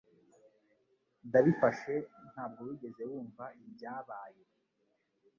Ndabifashe ntabwo wigeze wumva ibyabaye